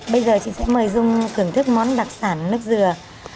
bây giờ chị sẽ mời dung thưởng thức món đặc sản nước dừa